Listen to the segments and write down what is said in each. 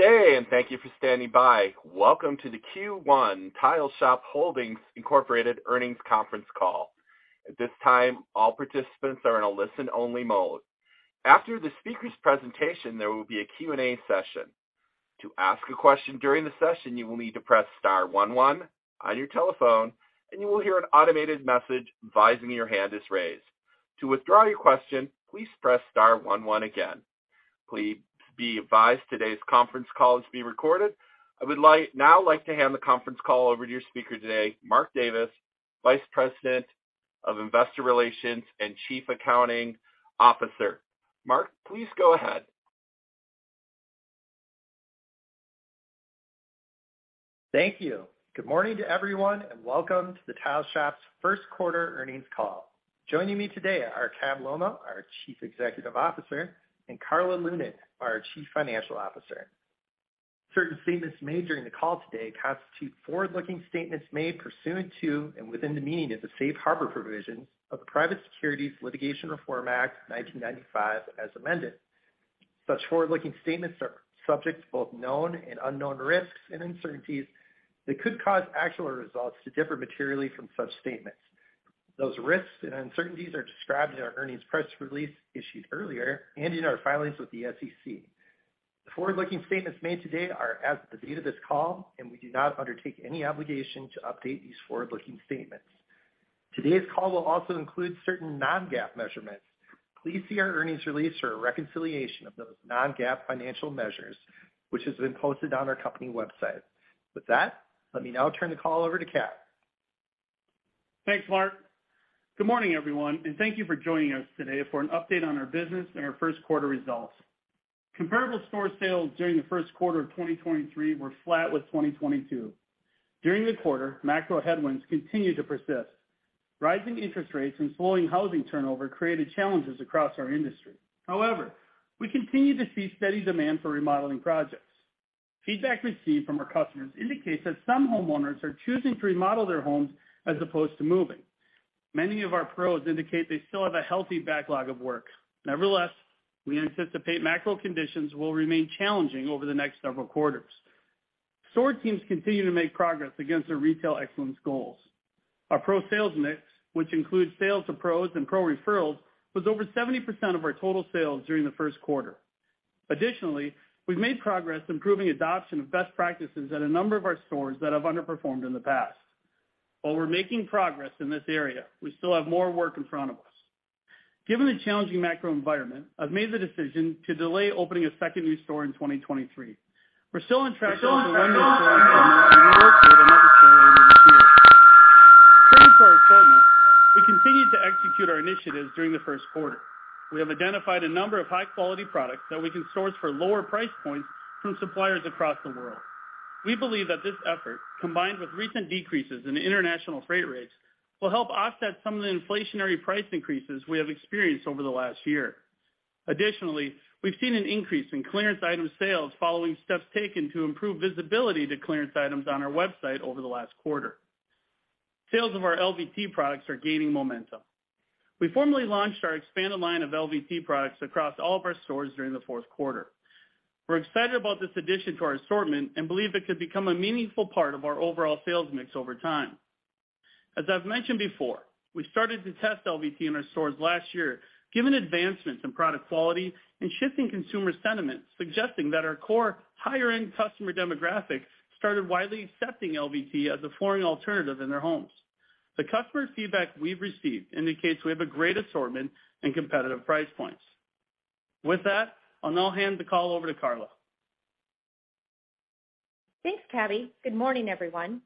Good day. Thank you for standing by. Welcome to the Q1 Tile Shop Holdings, Inc. earnings conference call. At this time, all participants are in a listen-only mode. After the speaker's presentation, there will be a Q&A session. To ask a question during the session, you will need to press star 11 on your telephone, and you will hear an automated message advising your hand is raised. To withdraw your question, please press star 11 again. Please be advised today's conference call is being recorded. I now like to hand the conference call over to your speaker today, Mark Davis, Vice President of Investor Relations and Chief Accounting Officer. Mark, please go ahead. Thank you. Good morning to everyone, and welcome to Tile Shop's Q1 earnings call. Joining me today are Cabell Lolmaugh, our Chief Executive Officer, and Karla Lunan, our Chief Financial Officer. Certain statements made during the call today constitute forward-looking statements made pursuant to and within the meaning of the Safe Harbor provisions of the Private Securities Litigation Reform Act 1995, as amended. Such forward-looking statements are subject to both known and unknown riskks and uncertainties that could cause actual results to differ materially from such statements. Those risks and uncertainties are described in our earnings press release issued earlier and in our filings with the SEC. The forward-looking statements made today are as of the date of this call, and we do not undertake any obligation to update these forward-looking statements. Today's call will also include certain non-GAAP measurements. Please see our earnings release for a reconciliation of those non-GAAP financial measures, which has been posted on our company website. With that, let me now turn the call over to Cabell. Thanks, Mark. Good morning, everyone, and thank you for joining us today for an update on our business and our Q1 results. Comparable store sales during the Q1 of 2023 were flat with 2022. During the quarter, macro headwinds continued to persist. Rising interest rates and slowing housing turnover created challenges across our industry. However, we continue to see steady demand for remodeling projects. Feedback received from our customers indicates that some homeowners are choosing to remodel their homes as opposed to moving. Many of our pros indicate they still have a healthy backlog of work. Nevertheless, we anticipate macro conditions will remain challenging over the next several quarters. Store teams continue to make progress against their retail excellence goals. Our pro sales mix, which includes sales to pros and pro referrals, was over 70% of our total sales during the Q1. We've made progress improving adoption of best practices at a number of our stores that have underperformed in the past. While we're making progress in this area, we still have more work in front of us. Given the challenging macro environment, I've made the decision to delay opening a second new store in 2023. We're still on track to open one new store in Omaha, and we look forward to another store later this year. Turning to our assortment, we continued to execute our initiatives during the Q1. We have identified a number of high-quality products that we can source for lower price points from suppliers across the world. We believe that this effort, combined with recent decreases in international freight rates, will help offset some of the inflationary price increases we have experienced over the last year. We've seen an increase in clearance item sales following steps taken to improve visibility to clearance items on our website over the last quarter. Sales of our LVT products are gaining momentum. We formally launched our expanded line of LVT products across all of our stores during the fourth quarter. We're excited about this addition to our assortment and believe it could become a meaningful part of our overall sales mix over time. As I've mentioned before, we started to test LVT in our stores last year, given advancements in product quality and shifting consumer sentiment, suggesting that our core higher-end customer demographic started widely accepting LVT as a flooring alternative in their homes. The customer feedback we've received indicates we have a great assortment and competitive price points. With that, I'll now hand the call over to Carla. Thanks, Kabby. Good morning, everyone.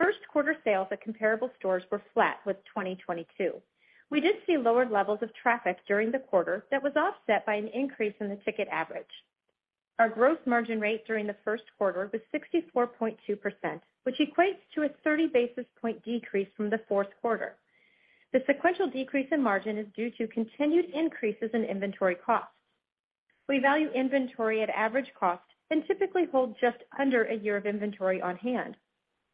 Q1 sales at comparable stores were flat with 2022. We did see lower levels of traffic during the quarter that was offset by an increase in the ticket average. Our gross margin rate during the Q1 was 64.2%, which equates to a 30 basis point decrease from the fourth quarter. The sequential decrease in margin is due to continued increases in inventory costs. We value inventory at Average cost and typically hold just under a year of inventory on hand.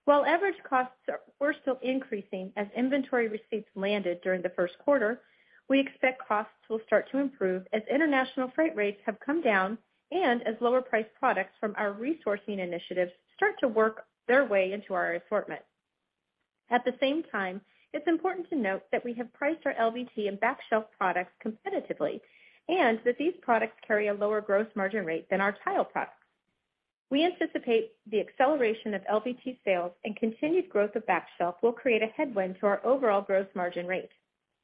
While average costs were still increasing as inventory receipts landed during the Q1, we expect costs will start to improve as international freight rates have come down and as lower priced products from our resourcing initiatives start to work their way into our assortment. At the same time, it's important to note that we have priced our LVT and backsplash products competitively, that these products carry a lower gross margin rate than our tile products. We anticipate the acceleration of LVT sales and continued growth of backsplash will create a headwind to our overall gross margin rate.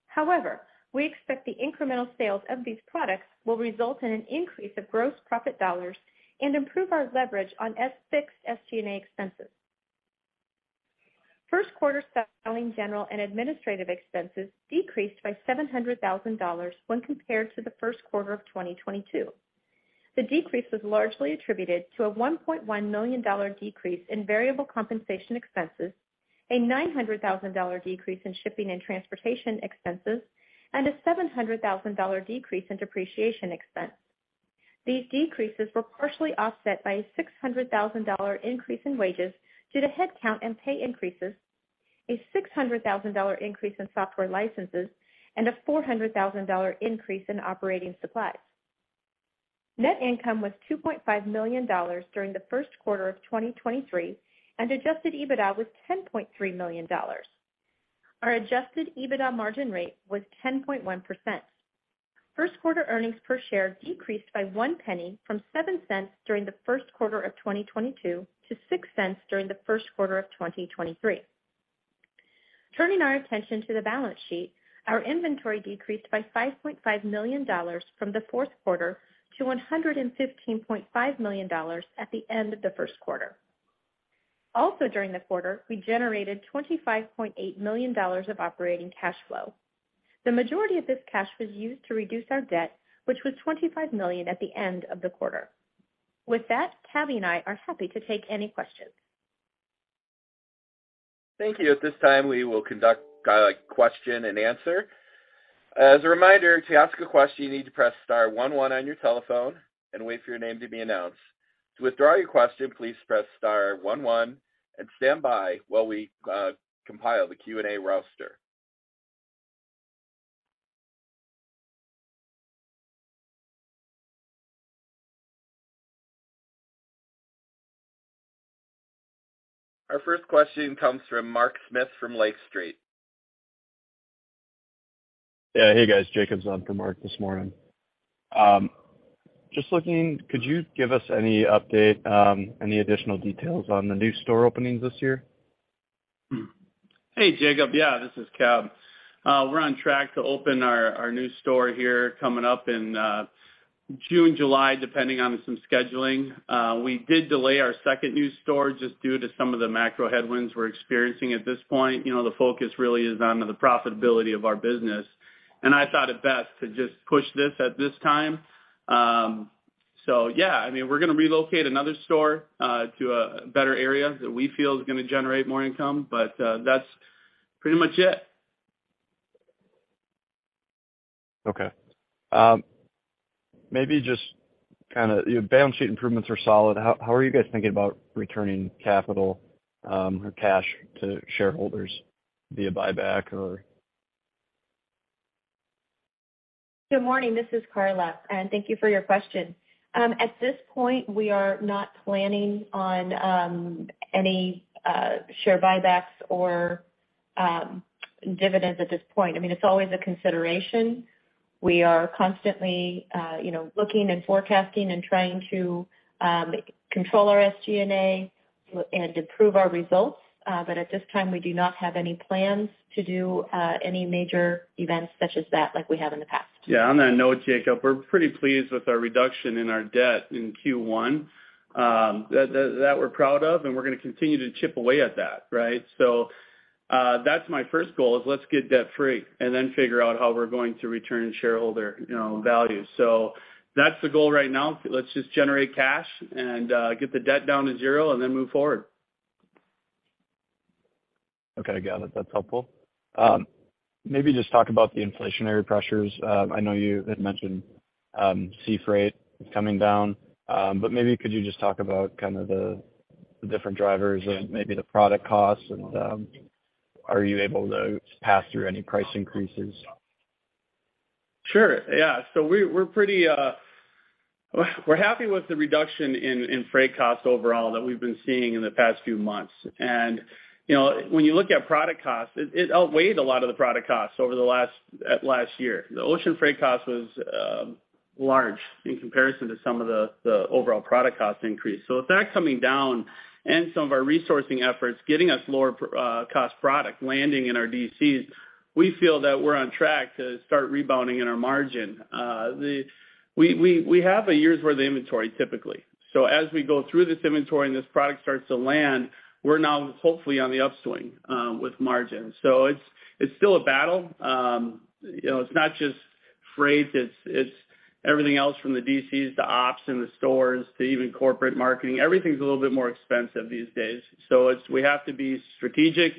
However, we expect the incremental sales of these products will result in an increase of gross profit dollars and improve our leverage on fixed SG&A expenses. Q1 selling general and administrative expenses decreased by $700,000 when compared to the Q1 of 2022. The decrease was largely attributed to a $1.1 million decrease in variable compensation expenses, a $900,000 decrease in shipping and transportation expenses, and a $700,000 decrease in depreciation expense. These decreases were partially offset by a $600,000 increase in wages due to headcount and pay increases. A $600,000 increase in software licenses and a $400,000 increase in operating supplies. Net income was $2.5 million during the Q1 of 2023, and adjusted EBITDA was $10.3 million. Our adjusted EBITDA margin rate was 10.1%. Q1 earnings per share decreased by 1 penny from 7 cents during the Q1 of 2022 to 6 cents during the Q1 of 2023. Turning our attention to the balance sheet, our inventory decreased by $5.5 million from the fourth quarter to $115.5 million at the end of the Q1. Also during the quarter, we generated $25.8 million of operating cash flow. The majority of this cash was used to reduce our debt, which was $25 million at the end of the quarter. With that, Cabell and I are happy to take any questions. Thank you. At this time, we will conduct question and answer. As a reminder, to ask a question, you need to press star one one on your telephone and wait for your name to be announced. To withdraw your question, please press star 1 1 and stand by while we compile the Q&A roster. Our first question comes from Mark Smith from Lake Street. Hey, guys. Jacob's on for Mark this morning. Just looking, could you give us any update, any additional details on the new store openings this year? Hey, Jacob. this is Cabell. We're on track to open our new store here coming up in June, July, depending on some scheduling. We did delay our second new store just due to some of the macro headwinds we're experiencing at this point. You know, the focus really is on the profitability of our business, I thought it best to just push this at this time. We're going to relocate another store to a better area that we feel is gonna generate more income, that's pretty much it. Okay. Maybe just kinda, your balance sheet improvements are solid. How are you guys thinking about returning capital or cash to shareholders via buyback. Good morning, this is karla, thank you for your question. At this point, we are not planning on any share buybacks or dividends at this point. I mean, it's always a consideration. We are constantly, you know, looking and forecasting and trying to control our SG&A and improve our results. At this time, we do not have any plans to do any major events such as that like we have in the past. On that note, Jacob, we're pretty pleased with our reduction in our debt in Q1, that we're proud of, and we're gonna continue to chip away at that, right. That's my first goal is let's get debt free and then figure out how we're going to return shareholder, you know, value. That's the goal right now. Let's just generate cash and get the debt down to zero and then move forward. Okay, got it. That's helpful. Maybe just talk about the inflationary pressures. I know you had mentioned sea freight coming down. Could you just talk about kind of the different drivers and maybe the product costs? Are you able to pass through any price increases? Sure, We're pretty, we're happy with the reduction in freight costs overall that we've been seeing in the past few months. You know, when you look at product costs, it outweighed a lot of the product costs over the last year. The ocean freight cost was large in comparison to some of the overall product cost increase. With that coming down and some of our resourcing efforts getting us lower cost product landing in our DCs, we feel that we're on track to start rebounding in our margin. We have a year's worth of inventory typically. As we go through this inventory and this product starts to land, we're now hopefully on the upswing with margins. It's still a battle. It's not just freight, it's everything else from the DCs to ops in the stores to even corporate marketing. Everything's a little bit more expensive these days. We have to be strategic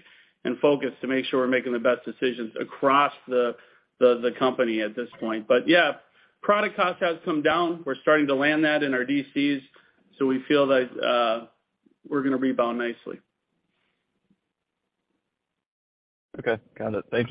and focused to make sure we're making the best decisions across the company at this point. Yeah, product cost has come down. We're starting to land that in our DCs, so we feel that, we're gonna rebound nicely. Okay. Got it. Thank you.